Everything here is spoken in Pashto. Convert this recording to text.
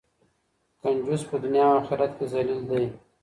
کنجوس په دنیا او آخرت کې ذلیل دی.